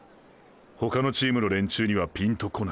他のチームの連中にはピンとこないだろう。